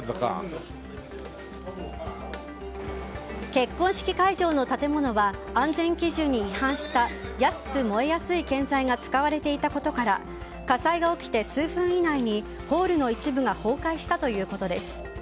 結婚式会場の建物は安全基準に違反した安く燃えやすい建材が使われていたことから火災が起きて数分以内にホールの一部が崩壊したということです。